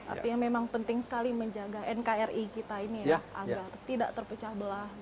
artinya memang penting sekali menjaga nkri kita ini ya agar tidak terpecah belah